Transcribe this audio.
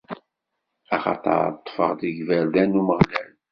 Axaṭer ṭṭfeɣ deg yiberdan n Umeɣlal.